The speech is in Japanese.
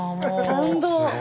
感動。